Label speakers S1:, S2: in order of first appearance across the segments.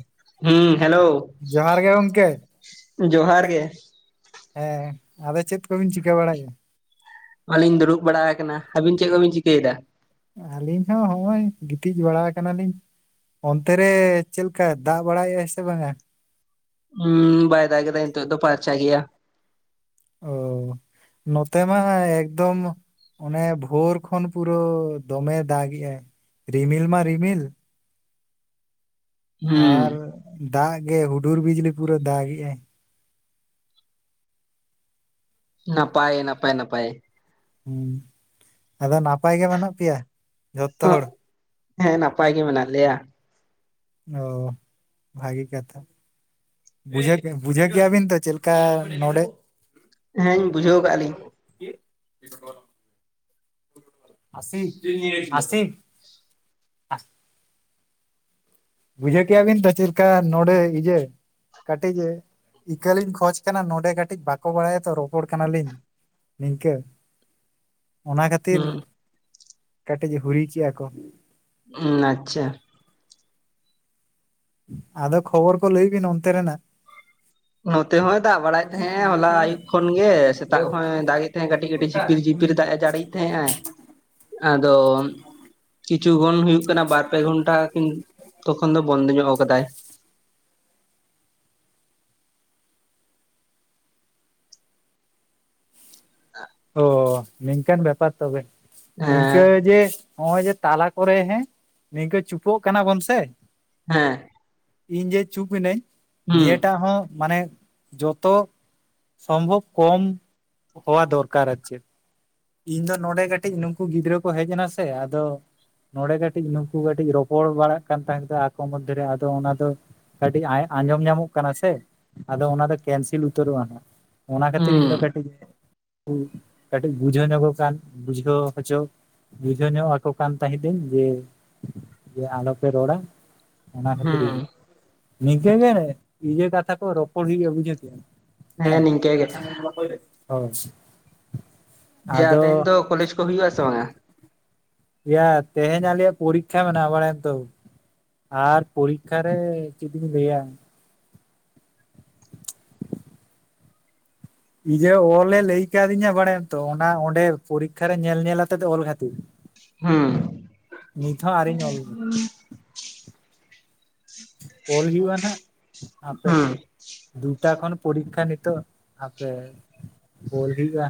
S1: [inaudible] ᱦᱩᱸ ᱦᱮᱞᱳ
S2: ᱡᱚᱦᱟᱨ ᱜᱮ ᱜᱚᱝᱠᱮ
S1: ᱡᱚᱦᱟᱨ ᱜᱮ
S2: ᱦᱮᱸ ᱟᱫᱚ ᱪᱮᱫ ᱠᱚᱵᱤᱱ ᱪᱤᱠᱟᱹ ᱵᱟᱲᱟᱭᱮ
S1: [inaudible] ᱫᱩᱨᱩᱵ ᱵᱟᱲᱟ ᱟᱠᱟᱱᱟ, ᱟᱹᱵᱤᱱ ᱪᱮᱜ ᱠᱚᱵᱤᱱ ᱪᱤᱠᱟᱹᱭ ᱫᱟ?
S2: ᱟᱹᱞᱤᱧ ᱦᱚᱸ ᱦᱚᱜ-ᱚᱭ ᱜᱤᱛᱤᱡ ᱵᱟᱲᱟ ᱠᱟᱱᱟᱞᱤᱧ ᱚᱱᱛᱮ ᱨᱮ ᱪᱮᱞᱠᱟ ᱫᱟᱜ ᱵᱟᱲᱟᱭᱮᱜ ᱟᱭ ᱥᱮ ᱵᱟᱝᱟ?
S1: ᱦᱩᱸ ᱵᱟᱭ ᱫᱟᱜᱮᱫᱟᱭ ᱱᱤᱛᱚᱜ ᱫᱚ ᱯᱷᱟᱨᱪᱟ ᱜᱮᱭᱟ
S2: ᱚ ᱱᱚᱛᱮ ᱢᱟ ᱮᱠᱫᱚᱢ ᱚᱱᱮ ᱵᱷᱳᱨ ᱠᱷᱚᱱ ᱯᱩᱨᱟᱹ ᱫᱚᱢᱮ ᱫᱟᱜᱮ ᱟᱭ ᱨᱤᱢᱤᱞ ᱢᱟ ᱨᱤᱢᱤᱞ
S1: ᱦᱩᱸ
S2: ᱟᱨ ᱫᱟᱜ ᱜᱮ ᱦᱩᱰᱩᱨ ᱵᱤᱡᱽᱞᱤ ᱯᱩᱨᱟᱹ ᱫᱟᱜᱮᱜᱼᱟᱭ
S1: ᱱᱟᱯᱟᱭ ᱱᱟᱯᱟᱭ ᱱᱟᱯᱟᱭ
S2: ᱦᱮᱸ ᱟᱫᱚ ᱱᱟᱯᱟᱭ ᱜᱮ ᱢᱮᱱᱟᱜ ᱯᱮᱭᱟ ᱡᱷᱚᱛᱚ ᱦᱚᱲ
S1: ᱦᱮᱸ ᱱᱟᱯᱟᱭ ᱜᱮ ᱢᱮᱱᱟᱜ ᱞᱮᱭᱟ᱾
S2: ᱚ ᱵᱷᱟᱜᱮ ᱠᱟᱛᱷᱟ ᱵᱩᱡᱷᱟᱹᱣ ᱵᱩᱡᱷᱟᱹᱣ ᱠᱮᱭᱟ ᱵᱤᱱ ᱛᱚ ᱪᱮᱫ ᱞᱮᱠᱟ ᱱᱚᱰᱮ
S1: ᱦᱮᱸᱧ ᱵᱩᱡᱷᱟᱹᱣ ᱠᱟᱜ ᱞᱤᱧ
S2: [unintelligible] ᱟᱥᱥᱤ ᱟᱥᱥᱤ ᱵᱩᱡᱟᱹ ᱠᱮᱭᱟ ᱵᱤᱱ ᱛᱚ ᱪᱮᱫ ᱞᱮᱠᱟ ᱱᱚᱰᱮ ᱤᱭᱟᱹ ᱠᱟᱹᱴᱤᱡ ᱤᱠᱟᱹ ᱞᱤᱧ ᱠᱷᱚᱡ ᱠᱟᱱᱟ ᱱᱚᱰᱮ ᱠᱟᱹᱴᱤᱡ ᱵᱟᱠᱚ ᱵᱟᱲᱟᱭᱟ ᱛᱚ ᱨᱚᱯᱚᱲ ᱠᱟᱱᱟᱞᱤᱧ ᱱᱤᱝᱠᱟᱹ ᱚᱱᱟ ᱠᱷᱟᱹᱛᱤᱨ ᱠᱟᱴᱤᱡ ᱦᱩᱨᱤᱪ ᱮᱫ ᱟᱠᱚ
S1: ᱦᱩᱸ ᱟᱪᱪᱷᱟ
S2: ᱟᱫᱚ ᱠᱷᱚᱵᱚᱨ ᱠᱚ ᱞᱟᱹᱭ ᱵᱤᱱ ᱚᱱᱛᱮ ᱨᱮᱱᱟᱜ
S1: ᱱᱚᱛᱮ ᱦᱚᱸᱛ ᱫᱟᱜ ᱵᱟᱲᱟᱭᱮᱫ ᱛᱟᱦᱮᱱ ᱦᱚᱞᱟ ᱟᱭᱩᱵ ᱠᱷᱚᱱ ᱜᱮ ᱥᱮᱛᱟᱜ ᱦᱚᱭ ᱫᱟᱜ ᱮ ᱛᱟᱦᱮᱸᱜ ᱠᱟᱹᱴᱤᱡ ᱠᱟᱹᱴᱤᱡ ᱡᱷᱤᱯᱤᱨ ᱡᱷᱤᱯᱤᱨ ᱫᱟᱜ ᱮ ᱡᱟᱹᱲᱤ ᱛᱮᱸ ᱟᱭ
S2: [unintelligible]
S1: ᱟᱫᱚ ᱠᱤᱪᱷᱩ ᱜᱚᱱ ᱦᱩᱭᱩᱜ ᱠᱟᱱᱟ ᱵᱟᱨ ᱯᱮ ᱜᱷᱚᱱᱴᱟ ᱠᱤᱱ ᱛᱚᱠᱷᱚᱱ ᱫᱚ ᱵᱚᱱᱫᱚ ᱧᱚᱜ ᱟᱠᱟᱫᱟᱭ [unintelligible]
S2: ᱚ ᱱᱤᱝᱠᱟᱱ ᱵᱮᱯᱟᱨ ᱛᱚᱵᱮ ᱱᱤᱝᱠᱟᱹ
S1: ᱦᱮᱸ
S2: ᱡᱮ ᱱᱚᱜᱼᱚᱭ ᱡᱮ ᱛᱟᱞᱟ ᱠᱚᱨᱮ ᱦᱮᱸ ᱱᱤᱝᱠᱟᱹ ᱪᱩᱯᱟᱹᱜ ᱠᱟᱱᱟ ᱵᱚᱱ ᱥᱮ
S1: ᱦᱮᱸ
S2: ᱤᱧ ᱡᱮ ᱪᱩᱯ ᱱᱟᱹᱧ
S1: ᱦᱩᱸ
S2: ᱱᱤᱭᱟᱹᱴᱟᱜ ᱦᱚᱸ ᱢᱟᱱᱮ ᱡᱚᱛᱚ ᱥᱚᱢᱵᱷᱚᱵ ᱠᱚᱢ ᱦᱚᱣᱟ ᱫᱚᱨᱠᱟᱨ ᱟᱨ ᱪᱮᱫ ᱤᱧ ᱫᱚ ᱱᱚᱰᱮ ᱠᱟᱹᱴᱤᱡ ᱱᱩᱠᱩ ᱜᱤᱫᱽᱨᱟᱹ ᱠᱚ ᱦᱮᱡ ᱮᱱᱟ ᱥᱮ ᱟᱫᱚ ᱱᱚᱰᱮ ᱠᱟᱹᱴᱤᱡ ᱱᱩᱠᱩ ᱠᱟᱹᱴᱤᱡ ᱨᱚᱯᱚᱲ ᱵᱟᱲᱟᱜ ᱠᱟᱱ ᱛᱟᱦᱮᱸ ᱟᱠᱚ ᱢᱚᱫᱽᱫᱷᱮᱨᱮ ᱟᱫᱚ ᱚᱱᱟ ᱫᱚ ᱠᱟᱹᱴᱤᱡ ᱟᱸᱡᱚᱢ ᱧᱟᱢᱚᱜ ᱠᱟᱱᱟ ᱥᱮ ᱟᱫᱚ ᱚᱱᱟ ᱫᱚ ᱠᱮᱱᱥᱮᱞ ᱩᱛᱟᱹᱨᱚᱜᱼᱟ ᱱᱟᱸᱜ ᱚᱱᱟ ᱠᱷᱟᱹᱛᱤᱨ
S1: ᱦᱩᱸ
S2: ᱤᱧ ᱫᱚ ᱠᱟᱹᱴᱤᱡ ᱠᱟᱹᱴᱤᱡ ᱵᱩᱡᱷᱟᱹᱣ ᱧᱚᱜᱚᱜ ᱠᱟᱱ ᱵᱩᱡᱷᱟᱹᱣ ᱦᱚᱪᱚ ᱵᱩᱡᱷᱟᱹᱣ ᱧᱚᱜ ᱟᱠᱚ ᱠᱟᱱ ᱛᱟᱦᱮᱸᱫᱟᱹᱧ ᱡᱮ ᱟᱞᱚᱯᱮ ᱨᱚᱲᱟ ᱚᱱᱟ ᱠᱷᱟᱹᱛᱤᱨ
S1: ᱦᱩᱸ
S2: ᱱᱤᱜᱮ ᱩᱭᱦᱟᱹᱨ ᱠᱟᱛᱷᱟ ᱠᱚ ᱨᱚᱯᱚᱲ ᱦᱩᱭᱩᱜ-ᱟ ᱵᱩᱡᱷᱟᱹᱣ ᱠᱮᱜ ᱟᱢ ᱦᱮᱸ
S1: ᱱᱤᱝᱠᱟᱹ ᱜᱮ
S2: [unintelligible] ᱦᱚᱭ
S1: ᱡᱟ ᱛᱮᱦᱮᱧ ᱫᱚ ᱠᱚᱞᱮᱡᱽ ᱠᱚ ᱦᱩᱭᱩᱜ-ᱟ ᱥᱮ ᱵᱟᱝᱼᱟ
S2: ᱭᱟ ᱛᱮᱦᱮᱧ ᱟᱞᱭᱟᱜ ᱯᱚᱨᱤᱠᱷᱟ ᱢᱮᱱᱟᱜ-ᱟ ᱵᱟᱲᱟᱭᱟᱢ ᱛᱚ ᱟᱨ ᱯᱚᱨᱤᱠᱠᱷᱟ ᱨᱮ ᱪᱮᱫ ᱤᱧ ᱞᱟᱹᱭᱟ ᱤᱭᱟᱹ ᱚᱞᱮ ᱞᱟᱹᱭ ᱠᱟᱫᱤᱧᱟ ᱵᱟᱲᱟᱭᱟᱢ ᱛᱚ ᱚᱱᱟ ᱚᱸᱰᱮ ᱯᱚᱨᱤᱠᱠᱷᱟ ᱨᱮ ᱧᱮᱞ- ᱧᱮᱞ ᱚᱛᱮᱫ ᱚᱞ ᱠᱷᱟᱹᱛᱤᱨ
S1: ᱦᱩᱸ
S2: ᱱᱤᱛ ᱦᱚᱸ ᱟᱨᱤᱧ ᱚᱞ-ᱟ ᱚᱞ ᱦᱩᱭᱩᱜᱼᱟ ᱱᱟᱜ ᱟᱯᱮ
S1: ᱦᱩᱸ
S2: ᱫᱩ ᱴᱟ ᱠᱷᱚᱱ ᱯᱚᱨᱤᱠᱷᱟ ᱱᱤᱛᱚᱜ ᱟᱯᱮ ᱚᱞ ᱦᱩᱭᱩᱜᱼᱟ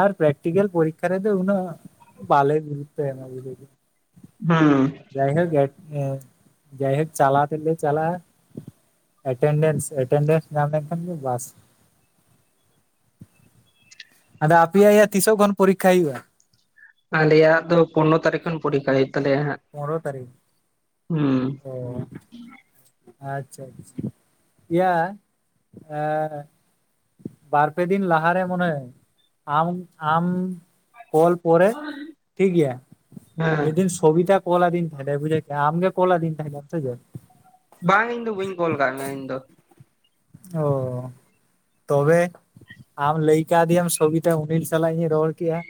S2: ᱟᱨ ᱯᱮᱠᱴᱤᱠᱮᱞ ᱯᱚᱨᱤᱠᱷᱟ ᱨᱮᱫᱚ ᱩᱱᱟᱹᱜ ᱵᱟᱞᱮ ᱜᱩᱨᱩᱛᱚ ᱮᱱᱟ ᱵᱩᱡ
S1: ᱦᱩᱸ
S2: ᱡᱟᱭᱦᱳᱠ ᱡᱟᱭᱦᱳᱠ ᱪᱟᱞᱟᱣ ᱛᱮᱫ ᱞᱮ ᱪᱟᱞᱟᱜ- ᱟ ᱮᱴᱮᱱᱰᱮᱱᱥ ᱮᱴᱮᱱᱰᱮᱱᱥ ᱧᱟᱢ ᱞᱮᱱᱠᱷᱟᱱ ᱜᱮ ᱵᱟᱥ ᱟᱫᱚ ᱟᱯᱮᱭᱟᱜ ᱭᱟ ᱛᱤᱥᱚᱠ ᱠᱷᱚᱱ ᱯᱚᱨᱤᱠᱷᱟ ᱦᱩᱭᱩᱜᱼᱟ
S1: ᱟᱞᱮᱭᱟᱜ ᱫᱚ ᱯᱚᱱᱱᱚ ᱛᱟᱹᱨᱤᱠᱷ ᱠᱷᱚᱱ ᱯᱚᱨᱤᱠᱷᱟ ᱦᱩᱭᱩᱜ ᱛᱟᱞᱮᱭᱟ ᱦᱟᱸᱜ
S2: ᱯᱚᱱᱨᱚ ᱛᱟᱹᱨᱤᱠᱷ
S1: ᱦᱩᱸ
S2: ᱚ ᱟᱪᱪᱷᱟ ᱟᱪᱪᱷᱟ, ᱤᱭᱟ ᱮᱻᱮ ᱵᱟᱨᱯᱮ ᱫᱤᱱ ᱞᱟᱦᱟᱨᱮ ᱢᱚᱱᱮ ᱦᱚᱭ ᱟᱢ ᱟᱢ ᱠᱚᱞ ᱯᱚᱨᱮ ᱴᱷᱤᱠ ᱜᱮᱭᱟ
S1: ᱦᱮᱸ
S2: ᱢᱤᱫᱤᱱ ᱠᱚᱵᱤᱛᱟ ᱠᱚᱞ ᱟᱹᱫᱤᱧ ᱛᱟᱸᱦᱮᱜ ᱮ ᱵᱩᱡᱷᱟᱹ ᱠᱮᱜ ᱟᱢ ᱟᱢ ᱜᱮ ᱠᱚᱞ ᱟᱹᱫᱤᱧ ᱛᱟᱦᱮᱱᱟᱢ ᱥᱮ ᱪᱮᱫ?
S1: ᱵᱟᱝ ᱤᱧ ᱫᱚ ᱵᱟᱹᱧ ᱠᱚᱞ ᱟᱠᱟᱫ ᱢᱮᱭᱟ ᱤᱧ ᱫᱚ᱾
S2: ᱚ ᱛᱚᱵᱮ ᱟᱢ ᱞᱟᱹᱭ ᱠᱟᱣᱫᱮᱭᱟᱢ ᱥᱚᱵᱤᱛᱟ ᱚᱱᱤᱞ ᱥᱟᱞᱟᱜ ᱤᱧ ᱨᱚᱲ ᱠᱮᱜᱼᱟ ᱾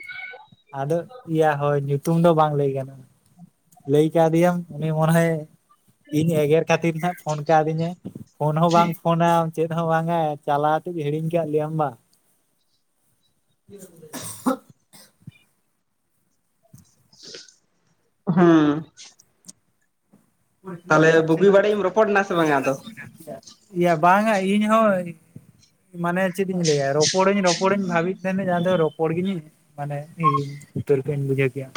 S2: ᱟᱫᱚ ᱤᱭᱟᱹ ᱦᱳᱭ ᱧᱩᱛᱩᱢ ᱫᱚ ᱵᱟᱝ ᱞᱟᱹᱭ ᱜᱟᱱᱚᱜᱼᱟ ᱞᱟᱹᱭ ᱠᱟᱫᱮᱭᱟᱢ ᱩᱱᱤ ᱢᱚᱱᱮᱦᱚᱭ ᱤᱧ ᱮᱜᱮᱨ ᱠᱷᱟᱹᱛᱤᱨ ᱦᱟᱸᱜ ᱯᱷᱳᱱ ᱠᱟᱣᱫᱤᱧᱟᱭ ᱯᱷᱳᱱ ᱦᱚᱸ ᱵᱟᱝ ᱯᱷᱳᱱᱟᱢ ᱪᱮᱫ ᱦᱚᱸ ᱵᱟᱝᱟ ᱪᱟᱞᱟᱣ ᱠᱟᱛᱮ ᱦᱤᱲᱤᱧ ᱠᱟᱜ ᱞᱮᱭᱟᱢ ᱵᱟ
S1: ᱦᱩᱸ ᱾ ᱛᱟᱦᱚᱞᱮ ᱵᱩᱜᱤ ᱵᱟᱹᱲᱤᱡ ᱮᱢ ᱨᱚᱯᱚᱲ ᱮᱱᱟ ᱥᱮ ᱵᱟᱝᱟ ᱟᱫᱚ?
S2: ᱤᱭᱟᱹ ᱵᱟᱝᱟ ᱤᱧ ᱦᱚᱸ ᱢᱟᱱᱮ ᱪᱮᱫ ᱤᱧ ᱞᱟᱹᱭᱟ ᱨᱚᱯᱚᱲᱟᱹᱧ ᱨᱚᱯᱚᱲᱟᱹᱧ ᱵᱷᱟᱹᱵᱤᱭᱮᱫ ᱛᱟᱦᱮᱱᱟᱹᱧ ᱮᱭᱟ ᱟᱫᱚ ᱨᱚᱯᱚᱲ ᱜᱤᱧ ᱢᱟᱱᱮ ᱦᱤᱲᱤᱧ ᱩᱛᱟᱹᱨ ᱠᱮᱫᱟᱹᱧ ᱵᱩᱡᱷᱟᱹᱣ ᱠᱮᱜᱼᱟᱢ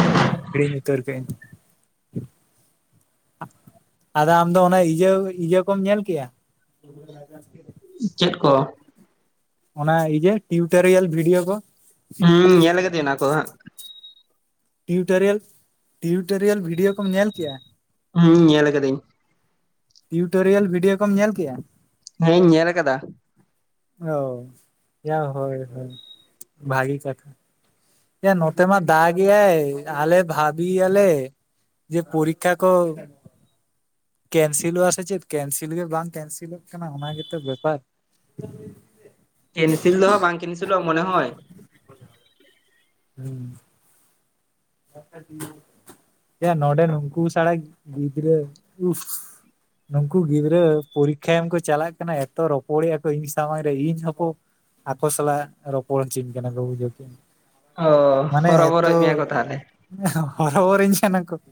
S2: ᱦᱤᱲᱤᱧ ᱩᱛᱟᱹᱨ ᱠᱮᱜ ᱟᱹᱧ ᱟᱫᱚ ᱟᱢ ᱫᱚ ᱚᱱᱟ ᱤᱭᱟᱹ ᱤᱭᱟᱹ ᱠᱚᱢ ᱧᱮᱞ ᱠᱮᱜᱼᱟ? [unintelligible]
S1: ᱪᱮᱫ ᱠᱚ?
S2: ᱚᱱᱟ ᱤᱭᱟᱹ ᱴᱤᱭᱩᱴᱳᱨᱤᱭᱟᱞ ᱵᱷᱤᱰᱭᱳ ᱠᱚ ᱾
S1: ᱦᱩᱸ ᱧᱮᱞ ᱟᱠᱟᱫᱤᱧ ᱚᱱᱟ ᱠᱚᱫᱚ ᱦᱟᱸᱜ ᱾
S2: ᱴᱤᱭᱩᱴᱟᱨᱤᱭᱟᱞ ᱴᱤᱭᱩᱴᱟᱨᱤᱭᱟᱞ ᱵᱷᱤᱰᱭᱳᱣ ᱠᱚᱢ ᱧᱮᱞ ᱠᱮᱜᱼᱟ?
S1: ᱦᱩᱸ ᱧᱮᱞ ᱟᱠᱟᱫᱟᱹᱧ ᱾
S2: ᱴᱤᱭᱩᱴᱳᱨᱤᱭᱟᱞ ᱵᱷᱤᱰᱭᱳᱣ ᱠᱚᱢ ᱧᱮᱞ ᱠᱮᱜᱼᱟ?
S1: ᱦᱮᱸᱧ ᱧᱮᱞ ᱟᱠᱟᱫᱟ ᱾
S2: ᱚ ᱮᱭᱟ ᱦᱳᱭ ᱦᱳᱭ ᱵᱷᱟᱜᱤ ᱠᱟᱛᱷᱟ ᱾ ᱮᱭᱟ ᱱᱚᱛᱮ ᱢᱟ ᱫᱟᱜ ᱜᱮᱭᱟᱭ ᱟᱞᱮ ᱵᱷᱵᱤᱭᱟᱞᱮ ᱡᱮ ᱯᱚᱨᱤᱠᱠᱷᱟ ᱠᱚ ᱠᱮᱱᱥᱤᱞᱚᱜᱼᱟ ᱥᱮ ᱪᱮᱫ ᱠᱮᱱᱤᱞ ᱜᱮ ᱵᱟᱝ ᱠᱮᱱᱥᱤᱞᱚᱜ ᱠᱟᱱᱟ ᱚᱱᱟ ᱜᱮᱛᱚ ᱵᱮᱯᱟᱨ ᱾ [unintelligible]
S1: ᱠᱮᱱᱤᱥ ᱫᱚ ᱦᱟᱸᱜ ᱵᱟᱝ ᱠᱮᱱᱥᱤᱞᱚᱜ-ᱟ ᱢᱚᱱᱮ ᱦᱚᱭ ᱾
S2: [unintelligible] ᱮᱭᱟ ᱱᱚᱰᱮᱱ ᱩᱱᱠᱩ ᱥᱟᱸᱲᱟ ᱜᱤᱫᱽᱨᱟᱹ ᱱᱩᱠᱩ ᱜᱤᱫᱽᱨᱟᱹ ᱯᱚᱨᱤᱠᱠᱷᱟ ᱮᱢ ᱠᱚ ᱪᱟᱞᱟᱜ ᱠᱟᱱᱟ ᱮᱛᱚ ᱨᱚᱯᱚᱲᱮᱜᱼᱟ ᱠᱚ ᱤᱧ ᱥᱟᱢᱟᱝ ᱨᱮ ᱤᱧ ᱦᱚᱸᱠᱚ ᱟᱠᱚ ᱥᱟᱞᱟᱜ ᱨᱚᱯᱚᱲ ᱦᱚᱪᱚᱧ ᱠᱟᱱᱟ ᱠᱚ ᱵᱩᱡᱷᱟᱹᱣ ᱠᱮᱜᱼᱟᱢ ᱾
S1: ᱚ ᱦᱚᱨᱚᱵᱚᱨᱚᱭᱮᱫ ᱢᱮᱭᱟ ᱠᱚ ᱛᱟᱦᱞᱮ ᱾
S2: [unintelligible] ᱦᱚᱨᱚ ᱵᱚᱨᱚᱧ ᱠᱟᱱᱟ ᱠᱚ ᱾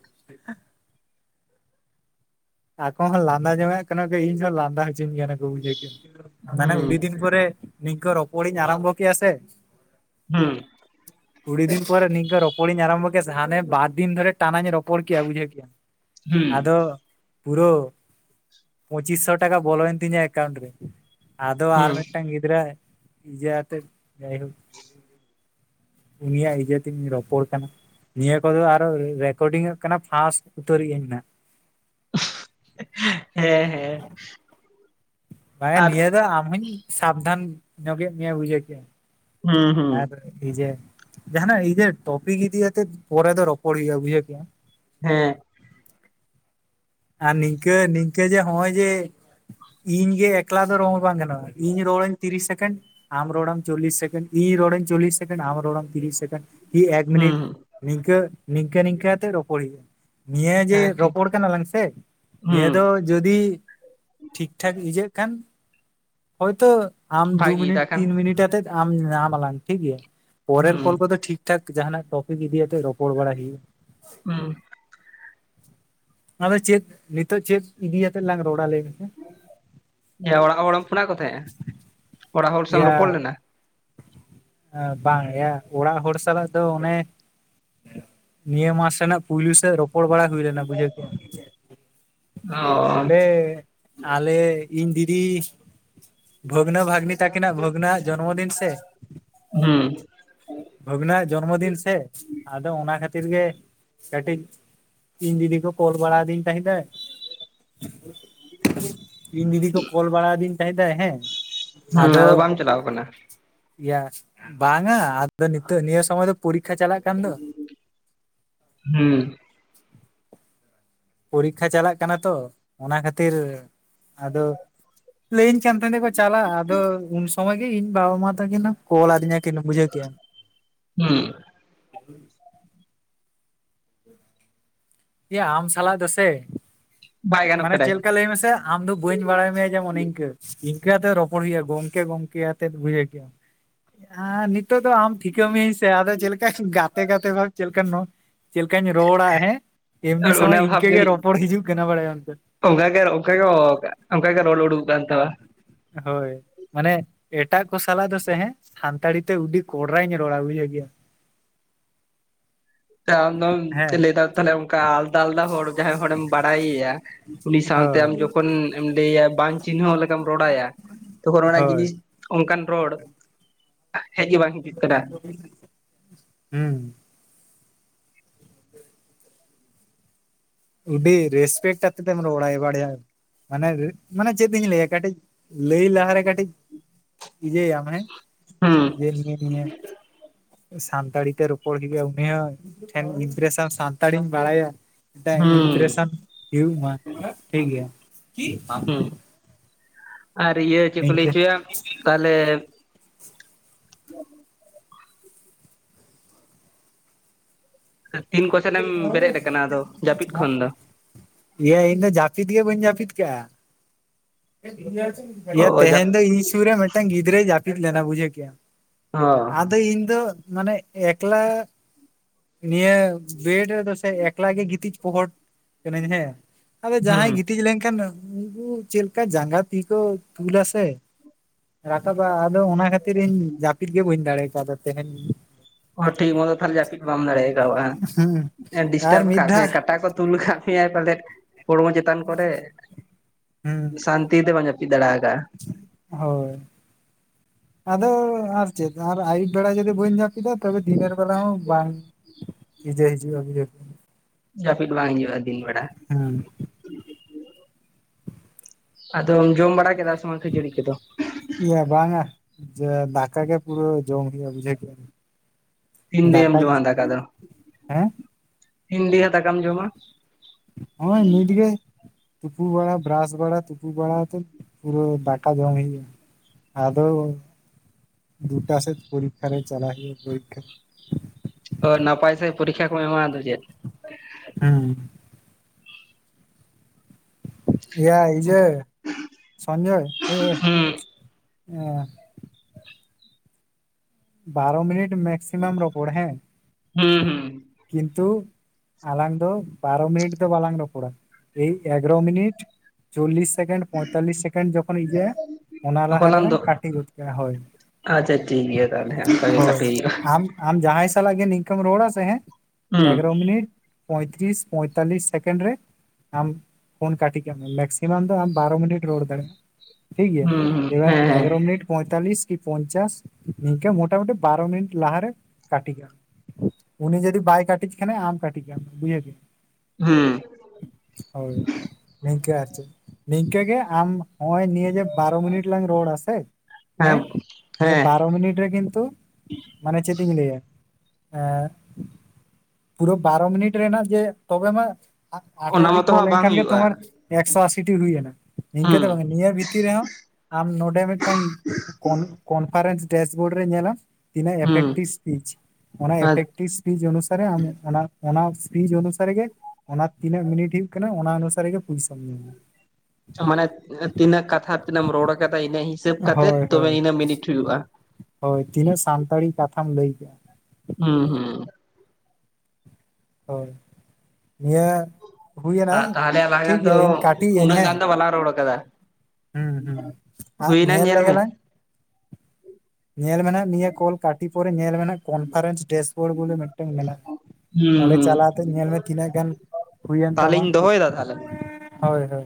S2: ᱟᱠᱚ ᱦᱚᱸ ᱞᱟᱸᱫᱟ ᱡᱚᱝᱟᱜ ᱠᱟᱱᱟ ᱠᱚ ᱤᱧ ᱦᱚᱸ ᱞᱟᱸᱫᱟ ᱦᱚᱪᱚᱧ ᱠᱟᱱᱟ ᱠᱚ ᱵᱩᱡᱷᱟᱹᱣ ᱠᱮᱜᱼᱟᱢ᱾ ᱢᱟᱱᱮ
S1: ᱦᱩᱸ
S2: ᱩᱲᱤᱫᱤᱱ ᱯᱚᱨᱮ ᱤᱧ ᱠᱚ ᱨᱚᱯᱚᱲᱤᱧ ᱟᱨᱟᱢᱵᱷᱚ ᱠᱮᱜᱼᱟ ᱥᱮ ᱾
S1: ᱦᱩᱸ ᱾
S2: [unintelligible] ᱩᱲᱤ ᱫᱤᱱ ᱯᱚᱨᱮ ᱱᱤᱝᱠᱟᱹ ᱨᱚᱯᱚᱲᱤᱧ ᱟᱨᱟᱢᱵᱷᱚ ᱠᱮᱜᱼᱟ ᱥᱮ ᱦᱟᱱᱮ ᱵᱟᱨ ᱫᱤᱱ ᱫᱷᱚᱨᱮ ᱴᱟᱱᱟᱧ ᱨᱚᱯᱚᱲ ᱠᱮᱜᱼᱟ ᱵᱩᱡᱷᱟᱹᱣ ᱠᱮᱜᱼᱟᱢ ᱾
S1: ᱦᱩᱸ ᱾
S2: ᱯᱩᱨᱟᱹ ᱯᱚᱸᱪᱤᱥ ᱥᱚ ᱴᱟᱠᱟ ᱵᱚᱞᱚᱭᱮᱱ ᱛᱤᱧᱟ ᱮᱠᱟᱣᱩᱱᱴᱨᱮ ᱾ ᱟᱫᱚ ᱟᱨ
S1: ᱦᱩᱸ
S2: ᱢᱤᱫᱴᱟᱝ ᱜᱤᱫᱽᱨᱟᱹ ᱟᱜ ᱤᱡᱟᱹ ᱟ ᱛᱮᱫ ᱡᱟᱭᱦᱳᱠ ᱩᱱᱤᱭᱟᱜ ᱤᱭᱟᱹ ᱛᱤᱧ ᱨᱚᱯᱚᱲ ᱠᱟᱱᱟ ᱾ ᱱᱤᱭᱟᱹ ᱠᱚᱫᱚ ᱟᱨ ᱨᱮᱠᱚᱨᱰᱤᱝᱚᱜ ᱠᱟᱱᱟ ᱯᱷᱟᱥ ᱩᱛᱟᱹᱨᱤᱡ ᱟᱹᱧ ᱱᱟᱜ ᱾
S1: ᱦᱮᱸ ᱦᱮᱸ ᱾
S2: ᱵᱟᱝᱭᱟ ᱱᱤᱭᱟᱹ ᱫᱚ ᱟᱢ ᱦᱚᱧ ᱥᱟᱵᱽᱫᱷᱟᱱ ᱧᱚᱜᱮᱫ ᱢᱮᱭᱟ ᱵᱩᱡᱷᱟᱹᱣ ᱠᱮᱜᱼᱟᱢ᱾
S1: ᱦᱩᱸ ᱦᱩᱸ᱾
S2: ᱮᱭ ᱡᱮ ᱡᱟᱸᱦᱟᱱᱟᱜ ᱤᱭᱟᱹ ᱴᱚᱯᱤᱠ ᱤᱫᱤ ᱠᱟᱛᱮᱫ ᱯᱚᱨᱮ ᱫᱚ ᱨᱚᱯᱚᱲ ᱦᱩᱭᱩᱜᱼᱟ ᱵᱩᱡᱷᱟᱹᱣ ᱠᱮᱜᱼᱟᱢ᱾
S1: ᱦᱮᱸ ᱾
S2: ᱟᱨ ᱱᱤᱝᱠᱟᱹ ᱱᱤᱝᱠᱟᱹ ᱡᱮ ᱱᱚᱜᱼᱚᱭ ᱡᱮ ᱤᱧᱜᱮ ᱮᱠᱞᱟ ᱫᱚ ᱨᱚᱲ ᱦᱚᱸ ᱵᱟᱝ ᱜᱟᱱᱚᱜ ᱤᱧ ᱨᱚᱲᱟᱹᱧ ᱛᱤᱨᱤᱥ ᱥᱮᱠᱮᱱᱰ ᱾ ᱟᱢ ᱨᱚᱲᱟᱢ ᱪᱚᱞᱤᱥ ᱥᱮᱠᱮᱱᱰ ᱤᱧ ᱨᱚᱲᱤᱧ ᱪᱚᱞᱤᱥ ᱥᱮᱠᱮᱱᱰ ᱟᱢ ᱨᱚᱲ ᱟᱢ ᱛᱤᱨᱤᱥ ᱥᱮᱠᱮᱱᱰ ᱤ ᱮᱠ ᱢᱤᱱᱤᱴ
S1: ᱦᱩᱸ
S2: ᱾ ᱱᱤᱝᱠᱟᱹ ᱱᱤᱝᱠᱟᱹ ᱱᱤᱝᱠᱟᱹ ᱛᱮ ᱨᱚᱯᱚᱲ ᱦᱩᱭᱩᱜᱼᱟ ᱱᱤᱭᱟᱹ ᱡᱮ
S1: ᱦᱮᱸ ᱴᱷᱤᱠ
S2: ᱨᱚᱯᱚᱲ ᱠᱟᱱᱟ ᱞᱟᱝ ᱥᱮ ᱱᱤᱭᱟᱹ ᱫᱚ
S1: ᱦᱩᱸ
S2: ᱡᱚᱫᱤ ᱴᱷᱤᱠ ᱴᱷᱟᱠ ᱤᱡᱟᱹᱜ ᱠᱷᱟᱱ ᱦᱚᱭᱛᱳ ᱟᱢ ᱫᱩ
S1: ᱵᱷᱟᱜᱤ
S2: ᱢᱤᱱᱤᱴ
S1: ᱛᱟᱠᱷᱟᱱ
S2: ᱛᱤᱱ ᱢᱤᱱᱤᱴ ᱟᱛᱮᱫ ᱟᱢ ᱧᱟᱢ ᱟᱞᱟᱝ ᱴᱷᱤᱠ ᱜᱮᱭᱟ ᱯᱚᱨᱮᱨ
S1: ᱦᱩᱸ
S2: ᱠᱚᱞ ᱠᱚᱫᱚ ᱴᱷᱤᱠ ᱡᱟᱠ ᱡᱟᱦᱟᱱᱟᱜ ᱴᱚᱯᱤᱠ ᱤᱫᱤᱭᱟᱛᱮᱜ ᱨᱚᱯᱚᱲ ᱵᱟᱲᱟᱭ ᱦᱩᱭᱩᱜᱼᱟ
S1: [unintelligible]
S2: ᱟᱫᱚ ᱪᱮᱫ ᱱᱤᱛᱚᱜ ᱪᱮᱫ ᱤᱫᱤᱛᱮᱛ ᱞᱟᱝ ᱨᱚᱲ ᱟᱞᱟᱝ ᱞᱟᱹᱭ ᱢᱮᱥᱮ
S1: ᱚᱲᱟᱜ ᱦᱚᱲᱮᱢ ᱯᱷᱩᱱᱟ ᱠᱚ ᱛᱟᱦᱮᱸᱜᱼᱟ ᱚᱲᱟᱜ ᱦᱚᱲ ᱥᱟᱸᱣ
S2: ᱭᱟ
S1: ᱨᱚᱯᱚᱲ ᱞᱮᱱᱟ
S2: ᱵᱟᱝ ᱭᱟ ᱚᱲᱟᱜ ᱦᱚᱲ ᱥᱟᱞᱟᱜ ᱫᱚ ᱚᱱᱮ ᱱᱤᱭᱟᱹ ᱢᱟᱥ ᱨᱮᱱᱟᱜ ᱯᱩᱭᱞᱩ ᱥᱮᱫ ᱨᱚ ᱯᱚᱲ ᱵᱟᱲᱟ ᱦᱩᱭ ᱞᱮᱱᱟ ᱵᱩᱡᱷᱟᱹᱣ ᱠᱮᱜᱟᱢ
S1: ᱚ
S2: ᱚᱸᱰᱮ ᱟᱞᱮ ᱤᱧ ᱫᱤᱫᱤ ᱵᱷᱚᱜᱽᱱᱟᱹ ᱵᱷᱟᱜᱽᱱᱤ ᱛᱟᱹᱠᱤᱱᱟᱜ ᱵᱷᱚᱜᱽᱱᱟᱹ ᱟᱜ ᱡᱚᱱᱢᱚ ᱫᱤᱱ ᱥᱮ
S1: ᱦᱩᱸ
S2: ᱵᱷᱚᱜᱽᱱᱟᱹ ᱟᱜ ᱡᱚᱱᱢᱚ ᱫᱤᱱ ᱥᱮ ᱟᱫᱚ ᱚᱱᱟ ᱠᱷᱟᱹᱛᱤᱨ ᱜᱮ ᱠᱟᱹᱴᱤᱡ ᱤᱧ ᱫᱤᱫᱤ ᱠᱚᱞ ᱵᱟᱲᱟ ᱟᱫᱤᱧ ᱛᱟᱷᱮᱱᱟ ᱤᱱ ᱫᱤᱫᱤ ᱠᱚᱞ ᱵᱟᱲᱟ ᱟᱫᱧ ᱛᱟᱷᱮᱱᱟ ᱦᱮᱸ
S1: ᱦᱩᱸ ᱟᱫᱚ ᱵᱟᱢ ᱪᱟᱞᱟᱣ ᱟᱠᱟᱱᱟ
S2: ᱤᱭᱟᱹ ᱵᱟᱝᱼᱟ ᱟᱫᱚ ᱱᱤᱛᱚᱜ ᱱᱤᱭᱟᱹ ᱥᱚᱢᱚᱭ ᱫᱚ ᱯᱚᱨᱤᱠᱷᱟ ᱪᱟᱞᱟᱜ ᱠᱟᱱ ᱫᱚ
S1: ᱦᱩᱸ
S2: ᱯᱚᱨᱤᱠᱷᱟ ᱪᱟᱞᱟᱜ ᱠᱟᱱᱟ ᱛᱚ ᱚᱱᱟ ᱠᱷᱟᱹᱛᱤᱨ ᱟᱫᱚ ᱞᱟᱹᱭᱟᱹᱧ ᱠᱟᱱ ᱛᱟᱦᱮᱸᱱᱟ ᱠᱚ ᱪᱟᱞᱟᱜᱼᱟ ᱟᱫᱚ ᱩᱱ ᱥᱚᱢᱚᱭ ᱜᱮ ᱤᱧ ᱵᱟᱵᱟ ᱢᱟ ᱛᱟᱹᱠᱤᱱ ᱠᱚᱞ ᱟᱹᱫᱤᱧᱟ ᱠᱤᱱ ᱵᱩᱡᱷᱟᱹᱣ ᱠᱮᱜᱟᱢ
S1: ᱦᱩᱸ
S2: ᱮᱭᱟ ᱟᱢ ᱥᱟᱞᱟᱜ ᱫᱚ ᱥᱮ
S1: ᱵᱟᱭ ᱜᱟᱱᱚᱜ
S2: ᱢᱟᱱᱮ
S1: ᱠᱟᱱᱟᱭ
S2: ᱪᱮᱫ ᱞᱮᱠᱟ ᱞᱟᱹᱭ ᱢᱮᱥᱮ ᱟᱢ ᱫᱚ ᱵᱟᱹᱧ ᱵᱟᱲᱟᱭ ᱢᱮᱭᱟ ᱡᱮᱢᱚᱱ ᱤᱱᱠᱟᱹ ᱤᱱᱠᱟᱹᱛᱮ ᱨᱚᱯᱚᱲ ᱦᱩᱭᱩᱜᱼᱟ ᱜᱚᱝᱠᱮ ᱜᱚᱝᱠᱮ ᱟᱛᱮᱫ ᱵᱩᱡᱟᱹᱣ ᱠᱮᱭᱟᱢ ᱟᱨ ᱱᱤᱛᱚᱜ ᱫᱚ ᱟᱢ ᱴᱷᱤᱠᱟᱹ ᱢᱤᱭᱟᱹᱧ ᱥᱮ ᱟᱫᱚ ᱪᱮᱫ ᱞᱮᱠᱟ ᱪᱚ ᱜᱟᱛᱮ ᱜᱟᱛᱮ ᱵᱷᱟ ᱪᱮᱞᱮᱠᱟ ᱪᱮᱫ ᱞᱮᱠᱟᱹᱧ ᱨᱚᱲᱟ ᱦᱮᱸ ᱮᱢᱱᱤ
S1: ᱟᱨ
S2: ᱥᱚᱢᱚᱭ
S1: ᱚᱱᱟ ᱵᱷᱟᱵ
S2: ᱤᱱᱠᱟᱹ ᱜᱮ ᱨᱚᱯᱚᱲ ᱦᱤᱡᱩᱜ ᱠᱟᱱᱟ ᱵᱟᱲᱟᱭᱟᱢ ᱥᱮ
S1: ᱚᱱᱠᱟᱜᱮ ᱜᱮ ᱚᱱᱠᱟᱜ ᱚᱱᱠᱟᱜᱮ ᱨᱚᱲ ᱩᱰᱩᱠ ᱠᱟᱱ ᱛᱟᱢᱟ
S2: ᱦᱳᱭ ᱢᱟᱱᱮ ᱮᱴᱟᱜ ᱠᱚ ᱥᱟᱞᱟᱜ ᱫᱚᱥᱮ ᱦᱮᱸ ᱥᱟᱱᱛᱟᱲᱤ ᱛᱮ ᱟᱹᱰᱤ ᱠᱚᱰᱨᱟᱧ ᱨᱚᱲᱟ ᱵᱩᱡᱷᱟᱹᱣ ᱠᱮᱜᱟᱢ [unintelligible]
S1: ᱟᱢᱫᱚᱢ
S2: ᱦᱮᱸ
S1: ᱞᱟᱹᱭ ᱫᱟᱢ ᱛᱟᱦᱮ ᱚᱱᱠᱟ ᱟᱞᱟᱫᱟ ᱟᱞᱟᱫᱟ ᱦᱚᱲ ᱡᱟᱦᱟᱸᱭ ᱦᱚᱲᱮᱢ ᱵᱟᱲᱟᱭᱮᱭᱟ ᱩᱱᱤ ᱥᱟᱶᱛᱮ
S2: ᱦᱳᱭ
S1: ᱟᱢ ᱡᱚᱠᱷᱚᱱ ᱮᱢ ᱞᱟᱹᱭᱟ ᱵᱟᱝ ᱪᱤᱱᱦᱟᱹᱣ ᱞᱮᱠᱟᱢ ᱨᱚᱲᱟᱭᱟ ᱛᱚᱠᱷᱚᱱ ᱚᱱᱟ
S2: ᱦᱳᱭ
S1: ᱡᱤᱱᱤᱥ ᱚᱱᱠᱟᱱ ᱨᱚᱲ ᱦᱮᱡ ᱜᱮ ᱵᱟᱝ ᱦᱤᱡᱩᱜ ᱠᱟᱱᱟ
S2: ᱦᱩᱸ ᱟᱹᱰᱤ ᱨᱮᱥᱯᱮᱠᱴᱟᱛᱮᱫ ᱮᱢ ᱨᱚᱲ ᱟᱭᱟ ᱵᱟᱲᱭᱟ ᱢᱟᱱᱮ ᱢᱟᱱᱮ ᱪᱮᱫ ᱤᱧ ᱞᱟᱹᱭᱟ ᱠᱟᱹᱴᱤᱡ ᱞᱟᱹᱭ ᱞᱟᱦᱟᱨᱮ ᱠᱟᱹᱴᱤᱡ ᱡᱤᱭᱮ ᱟᱢ ᱦᱮᱸ
S1: ᱦᱩᱸ
S2: ᱤᱭᱮ ᱱᱤᱭᱟᱹ ᱥᱟᱱᱛᱟᱲᱤ ᱛᱮ ᱨᱚᱯᱚᱲ ᱦᱩᱭᱩᱜᱼᱟ ᱩᱱᱤ ᱦᱚᱸ ᱴᱷᱮᱱ ᱜᱤᱫᱽᱨᱟᱹ ᱥᱟᱣᱸ ᱥᱟᱱᱛᱟᱲᱤᱧ ᱵᱟᱲᱟᱭᱟ ᱢᱤᱫᱴᱟᱝ
S1: ᱦᱩᱸ
S2: ᱤᱢᱯᱨᱮᱥᱚᱱ ᱦᱩᱭᱩᱜ ᱢᱟ ᱴᱷᱤᱠ ᱜᱮᱭᱟ
S1: ᱦᱩᱸ ᱟᱨ ᱤᱭᱟᱹ ᱪᱮᱫ ᱠᱚ ᱞᱟᱹᱭ
S2: ᱱᱤᱝᱠᱟᱹ
S1: ᱦᱚᱪᱚᱭᱟ ᱛᱟᱦᱚᱞᱮ [unintelligible] ᱛᱤᱱ ᱠᱚᱛᱮᱱᱮᱢ ᱵᱮᱨᱮᱫ ᱟᱠᱟᱱᱟ ᱟᱫᱚ ᱡᱟᱹᱯᱤᱫ ᱠᱷᱚᱱ ᱫᱚ
S2: ᱤᱭᱟᱹ ᱤᱧ ᱫᱚ ᱡᱟᱹᱯᱤᱫ ᱜᱮ ᱵᱟᱹᱧ ᱡᱟᱹᱯᱤᱫ ᱠᱮᱜᱼᱟ ᱮᱭᱟ
S1: ᱚ
S2: ᱛᱮᱦᱮᱧ
S1: ᱡᱟᱹᱯᱤᱫ
S2: ᱫᱚ ᱤᱧ ᱥᱩᱨ ᱨᱮ ᱢᱤᱫᱴᱟᱝ ᱜᱤᱫᱽᱨᱟᱹᱭ ᱡᱟᱹᱯᱤᱫ ᱞᱮᱱᱟ ᱵᱩᱡᱷᱟᱹᱣ ᱠᱮᱭᱟᱢ
S1: ᱦᱚ
S2: ᱟᱫᱚ ᱤᱧ ᱫᱚ ᱢᱟᱱᱮ ᱮᱠᱞᱟ ᱱᱤᱭᱟᱹ ᱵᱮᱴ ᱨᱮᱫᱚ ᱥᱮ ᱮᱠᱞᱟ ᱜᱮ ᱜᱤᱛᱤᱡ ᱯᱚᱦᱚᱲ ᱠᱟᱹᱱᱤᱧ ᱦᱮᱸ ᱟᱫᱚ
S1: ᱦᱩᱸ
S2: ᱡᱟᱦᱟᱸᱭ ᱜᱤᱛᱤᱡ ᱞᱮᱱᱠᱷᱟᱱ ᱩᱱᱠᱩ ᱪᱮᱫ ᱞᱮᱠᱟ ᱡᱟᱸᱜᱟ ᱛᱤ ᱠᱚ ᱫᱩᱞᱟᱥᱮ᱾ ᱨᱟᱠᱟᱵᱟ ᱟᱫᱚ ᱚᱱᱟ ᱠᱷᱟᱹᱛᱤᱨ ᱤᱧ ᱡᱟᱹᱯᱤᱫ ᱜᱮ ᱵᱟᱹᱧ ᱫᱟᱲᱮ ᱠᱟᱣᱫᱟ ᱛᱮᱦᱮᱧ᱾
S1: ᱚ ᱴᱷᱤᱠ ᱢᱚᱛᱚ ᱛᱟᱦᱚᱞᱮ ᱡᱟᱹᱯᱤᱫ ᱵᱟᱢ ᱫᱟᱲᱮᱣ
S2: ᱦᱮᱸ
S1: ᱠᱟᱫᱟ
S2: ᱟᱨ
S1: ᱰᱤᱥᱴᱟᱵ
S2: ᱢᱤᱫ
S1: ᱠᱟᱜ ᱢᱮ
S2: ᱫᱷᱟᱣ
S1: ᱠᱟᱴᱟ ᱠᱚ᱾ ᱛᱩᱞ ᱟᱠᱟᱫ ᱢᱮᱭᱟᱭ ᱯᱟᱞᱮᱫ ᱦᱚᱲᱢᱚ ᱪᱮᱛᱟᱱ ᱠᱚᱨᱮ
S2: ᱦᱮᱸ
S1: ᱥᱟᱱᱛᱤ ᱛᱮ ᱵᱟᱝ [inaudible] ᱡᱟᱯᱤᱛ ᱫᱟᱲᱟ [inaudible]
S2: ᱦᱳᱭ ᱟᱫᱚ ᱟᱨ ᱪᱮᱫ ᱟᱨ ᱟᱹᱭᱩᱵ ᱵᱮᱲᱟ ᱡᱩᱫᱤ ᱵᱟᱹᱧ ᱡᱟᱯᱤᱭ ᱠᱮᱫᱟ ᱛᱚᱵᱮ ᱫᱤᱱᱮᱨ ᱵᱮᱞᱟ ᱦᱚᱸ ᱵᱟᱝ᱾ [unintelligible]
S1: ᱡᱟᱹᱯᱤᱫ ᱵᱟᱝ ᱦᱤᱡᱩᱜ-ᱟ ᱫᱤᱱ ᱵᱮᱲᱟ
S2: [unintelligible]
S1: ᱟᱫᱚᱢ ᱡᱚᱢ ᱵᱟᱲᱟ ᱠᱮᱫᱟ ᱥᱮ ᱵᱟᱝ ᱠᱷᱟᱹᱡᱟᱹᱲᱤ ᱠᱚᱫᱚ?
S2: ᱤᱭᱟᱹ ᱵᱟᱝᱟ ᱡᱮ ᱫᱟᱠᱟ ᱜᱮ ᱯᱩᱨᱟᱹ ᱡᱚᱢ ᱦᱩᱭᱩᱜ-ᱟ ᱵᱩᱡᱷᱟᱹᱣ ᱠᱮᱭᱟ ᱞᱤᱧ᱾
S1: ᱛᱤᱱ ᱨᱮᱢ
S2: ᱫᱟᱠᱟᱭ
S1: ᱡᱚᱢᱟ ᱫᱟᱠᱟ ᱫᱚ
S2: ᱦᱮᱸ
S1: [unintelligible] ᱫᱟᱠᱟᱢ ᱡᱚᱢ-ᱟ
S2: ᱱᱚᱜ-ᱚᱭ ᱱᱤᱛᱜᱮ᱾ ᱛᱩᱯᱩ ᱵᱟᱲᱟ ᱵᱨᱟᱥ ᱵᱟᱲᱟ ᱛᱩᱯᱩ ᱵᱟᱲᱟ ᱯᱩᱨᱟᱹ ᱫᱟᱠᱟ ᱡᱚᱢ ᱦᱩᱭᱩᱜ-ᱟ᱾ ᱟᱫᱚ ᱫᱩᱴᱟ ᱥᱮᱫ ᱯᱚᱨᱤᱠᱠᱷᱟ ᱨᱮ ᱪᱟᱞᱟᱜ ᱦᱩᱭᱩᱜᱼᱟ ᱯᱚᱨᱤᱠᱠᱷᱟ᱾
S1: ᱱᱟᱯᱟᱭ ᱥᱟᱦᱤ ᱯᱚᱨᱤᱠᱠᱷᱟ ᱠᱚᱢ ᱮᱢᱟ ᱟᱫᱚ ᱪᱮᱫ,
S2: ᱦᱮᱸ ᱮᱭᱟ ᱤᱭᱟᱹ ᱡᱮ ᱥᱚᱧᱡᱚᱭ,
S1: ᱦᱩᱸ
S2: ᱵᱟᱨᱚ ᱢᱤᱱᱤᱴ ᱢᱮᱠᱥᱤᱢᱟᱢ ᱨᱚᱯᱚᱲ ᱦᱮᱸ
S1: ᱦᱩᱸ ᱦᱩᱸ
S2: ᱠᱤᱱᱛᱩ ᱟᱞᱟᱝ ᱫᱚ ᱵᱟᱨᱚ ᱢᱤᱱᱤᱴ ᱫᱚ ᱵᱟᱞᱟᱝ ᱨᱚᱯᱚᱲᱟ ᱮᱭ ᱮᱜᱟᱨᱚ ᱢᱤᱱᱤᱴ ᱪᱚᱞᱞᱤᱥ ᱥᱮᱠᱮᱱᱰ ᱯᱚᱸᱭᱛᱟᱞᱞᱤᱥ ᱥᱮᱠᱮᱱᱰ ᱡᱚᱠᱷᱚᱱ ᱤᱭᱟ. ᱜ- ᱟ ᱚᱱᱟ ᱞᱟᱦᱟ
S1: ᱦᱚᱞᱟᱢ
S2: ᱨᱮᱞᱟᱝ
S1: ᱫᱚ
S2: ᱠᱟᱹᱴᱤ ᱜᱚᱫ ᱠᱟᱭᱟ ᱦᱳᱭ
S1: ᱟᱪᱪᱷᱟ ᱴᱷᱤᱠ ᱜᱮᱭᱟ᱾ ᱛᱟᱦᱞᱮ ᱦᱟ
S2: ᱦᱳᱭ ᱟᱢ ᱟᱢ ᱡᱟᱦᱟᱸᱭ ᱥᱟᱞᱟᱜ ᱜᱮ ᱱᱤᱝᱠᱟᱹᱢ ᱨᱚᱲᱟ ᱥᱮ ᱦᱮᱸ
S1: ᱦᱩᱸ
S2: ᱮᱜᱟᱨᱚ ᱢᱤᱱᱤᱴ, ᱯᱚᱸᱭᱛᱨᱤᱥ ᱯᱚᱸᱭᱛᱟᱞᱞᱤᱥ ᱥᱮᱠᱮᱱᱰ ᱨᱮ ᱟᱢ ᱯᱷᱳᱱ ᱠᱟᱹᱴᱤ ᱠᱟᱜ ᱢᱮ ᱢᱮᱠᱥᱤᱢᱟᱢ ᱫᱚ ᱟᱢ ᱵᱟᱨᱳ ᱢᱤᱱᱤᱴ ᱨᱚᱲ ᱫᱟᱲᱮᱭᱟᱜ-ᱟ᱾ ᱴᱷᱤᱠ ᱜᱮᱭᱟ
S1: ᱦᱩᱸ ᱦᱩᱸ
S2: ᱮᱵᱟᱨ
S1: ᱦᱮᱸ ᱦᱮᱸ
S2: ᱮᱜᱟᱨᱚ ᱢᱤᱱᱤᱴ ᱯᱚᱸᱭᱛᱟᱞᱞᱤᱥ ᱠᱤ ᱯᱚᱧᱪᱟᱥ, ᱱᱤᱱᱝᱠᱟ ᱢᱚᱴᱟᱢᱩᱴᱤ ᱵᱟᱨᱚ ᱢᱤᱱᱤᱴ ᱞᱟᱦᱟᱨᱮ ᱠᱟᱹᱴᱤ ᱠᱟᱜ ᱢᱮ᱾ ᱩᱱᱤ ᱡᱩᱫᱤ ᱵᱟᱭ ᱠᱟᱹᱴᱤᱡ ᱠᱷᱟᱱ ᱟᱢ ᱠᱟᱹᱴᱤᱡ ᱢᱮ ᱵᱩᱡᱷᱟᱹᱣ ᱠᱟ
S1: ᱦᱮᱸ
S2: ᱦᱚᱭ ᱱᱤᱝᱠᱟᱹ ᱟᱨ ᱪᱮᱫ ᱱᱤᱝᱠᱟᱹ ᱜᱮ ᱟᱢ ᱱᱚᱜ-ᱚᱭ ᱱᱤᱭᱟᱹ ᱵᱟᱨᱚ ᱢᱤᱱᱤᱴ ᱞᱟᱝ ᱨᱚᱲ ᱟᱥᱮ
S1: ᱦᱮᱸ
S2: ᱦᱮ ᱱᱤᱭᱟ
S1: ᱦᱮᱸ
S2: ᱵᱟᱨᱚ ᱢᱤᱱᱤᱴ᱾ ᱨᱮ ᱠᱤᱱᱛᱩ ᱢᱟᱱᱮ ᱪᱮᱫ ᱤᱧ ᱞᱟᱹᱭᱟ ᱮ ᱯᱩᱨᱟᱹ ᱵᱟᱨᱚ ᱢᱤᱱᱤᱴ ᱨᱮᱱᱟᱜ ᱡᱮ ᱛᱚᱵᱮ ᱢᱟ ᱟᱨ
S1: ᱚᱱᱟ
S2: ᱟᱴᱷᱟᱨᱚᱴᱤ
S1: ᱢᱚᱛᱚ
S2: ᱠᱚ
S1: ᱦᱟᱸᱜ ᱵᱟᱝ
S2: ᱞᱮᱱᱠᱷᱟᱱ ᱜᱮ
S1: ᱦᱩᱭᱩᱜᱼᱟ
S2: ᱛᱳᱢᱟᱨ ᱮᱠᱥᱚ ᱟᱥᱤᱴᱤ ᱦᱩᱭᱱᱟ᱾ ᱱᱤᱝᱠᱟᱹ
S1: ᱦᱩᱸ
S2: ᱫᱚ ᱵᱟᱝ ᱱᱤᱭᱟᱹ ᱵᱷᱤᱛᱤᱨ ᱨᱮᱦᱚᱸ ᱟᱢ ᱱᱚᱰᱮ ᱢᱮᱫᱴᱟᱝ ᱠᱚᱱᱯᱷᱟᱨᱮᱱᱥ ᱰᱮᱥ ᱵᱳᱨᱰ ᱨᱮ ᱧᱮᱞᱟᱢ ᱛᱤᱱᱟᱹᱜ
S1: ᱦᱩᱸ
S2: ᱮᱯᱷᱮᱠᱴᱤᱵᱷ ᱥᱯᱤᱪ ᱚᱱᱟ
S1: ᱟᱪᱪᱷᱟ
S2: ᱮᱯᱷᱮᱠᱴᱤᱵᱷ ᱯᱷᱤᱡ ᱚᱱᱩᱥᱟᱨᱮ ᱚᱱᱟ ᱚᱱᱟ ᱯᱷᱨᱤᱡ ᱚᱱᱩᱥᱟᱨ ᱜᱮ ᱚᱱᱟ ᱛᱤᱱᱟᱹᱜ ᱢᱤᱱᱤᱴ ᱦᱳᱭᱳᱜ ᱠᱟᱱᱟ ᱚᱱᱟ ᱚᱱᱩᱥᱟᱨᱤ ᱜᱮ ᱯᱚᱭᱥᱟᱢ ᱧᱟᱢᱟ᱾
S1: ᱢᱟᱱᱮ ᱛᱤᱱᱟᱹᱜ ᱠᱟᱛᱷᱟ ᱛᱤᱱᱟᱹᱜ ᱮᱢ ᱨᱚᱲ ᱠᱟᱫᱟ ᱤᱱᱟᱹᱜ ᱦᱤᱥᱟᱹᱵ ᱠᱟᱛᱮᱜ
S2: ᱦᱳᱭ
S1: ᱛᱚᱵᱮ
S2: ᱦᱳᱭ
S1: ᱤᱱᱟᱹᱜ ᱵᱤᱱᱤᱰ ᱦᱩᱭᱩᱜ-ᱟ᱾
S2: ᱦᱳᱭ ᱛᱤᱱᱟᱹᱜ ᱥᱟᱱᱛᱟᱲᱤ ᱠᱟᱛᱷᱟᱢ ᱞᱟᱹᱭ ᱠᱮ-ᱟ᱾
S1: ᱦᱮᱸ ᱦᱮᱸ
S2: ᱦᱳᱭ ᱱᱤᱭᱟᱹ ᱦᱩᱭᱮᱱᱟ
S1: ᱛᱟᱦᱚᱞᱮ
S2: ᱴᱷᱤᱠ
S1: ᱟᱞᱟᱝᱟᱜ ᱫᱚ
S2: ᱜᱮᱭᱟ ᱤᱧ ᱠᱟᱹᱴᱤᱭᱟᱧ
S1: ᱩᱱᱟᱹᱜ
S2: ᱦᱮᱸ
S1: ᱜᱟᱱ ᱫᱚ ᱵᱟᱞᱟᱝ ᱨᱚᱲ ᱠᱟᱫᱟ᱾
S2: ᱦᱩ ᱦᱩ ᱟᱨ
S1: ᱦᱩᱭᱱᱟ
S2: ᱧᱮᱞ
S1: ᱢᱮ
S2: ᱞᱮᱜᱮᱞᱟᱝ ᱧᱮᱞ ᱢᱮᱱᱟᱜ ᱱᱤᱭᱟᱹ ᱠᱚᱞ ᱠᱟᱹᱴᱤ ᱯᱚᱨᱮ ᱧᱮᱞ ᱢᱮ ᱱᱟᱜ ᱠᱚᱱᱯᱷᱟᱨᱮᱱᱥ ᱰᱮᱥᱵᱳᱨᱰ ᱵᱚᱞᱮ ᱢᱤᱫᱴᱟᱝ ᱢᱮᱱᱟᱜ-ᱟ᱾
S1: ᱦᱩᱸ
S2: ᱚᱸᱰᱮ
S1: ᱦᱩᱸ
S2: ᱪᱟᱞᱟᱣ ᱛᱮ ᱧᱮᱞ ᱢᱮ ᱛᱤᱱᱟᱹᱜ ᱜᱟᱱ ᱦᱩᱭᱮᱱ ᱛᱟᱢᱟ᱾
S1: ᱛᱟᱦᱚᱞᱮᱧ ᱫᱚᱦᱚᱭᱮᱫᱟ ᱛᱟᱦᱚᱞᱮ
S2: ᱦᱳᱭ ᱦᱳᱭ